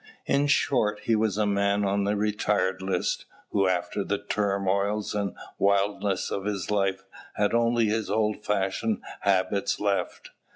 In short, he was a man on the retired list, who, after the turmoils and wildness of his life, had only his old fashioned habits left.